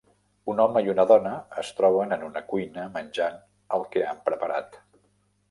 Un home i una dona es troben en una cuina menjant el que han preparat.